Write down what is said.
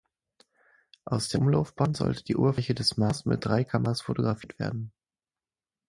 Aus der Umlaufbahn sollte die Oberfläche des Mars mit drei Kameras fotografiert werden.